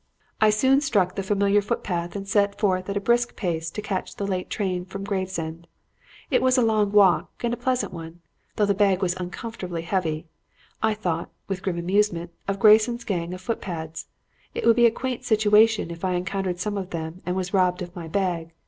"I soon struck the familiar footpath and set forth at a brisk pace to catch the late train from Gravesend. It was a long walk and a pleasant one, though the bag was uncomfortably heavy. I thought, with grim amusement, of Grayson's gang of footpads. It would be a quaint situation if I encountered some of them and was robbed of my bag.